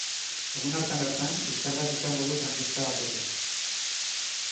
Egun hartan bertan liskar bat izango du frankista batekin.